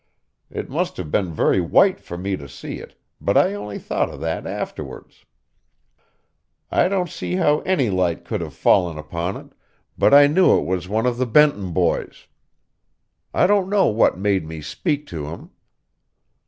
It must have been very white for me to see it, but I only thought of that afterwards. I don't see how any light could have fallen upon it, but I knew it was one of the Benton boys. I don't know what made me speak to him.